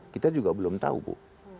kita juga belum tahu bu